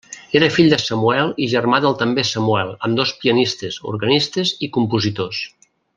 Era fill de Samuel i germà del també Samuel, ambdós pianistes, organistes i compositors.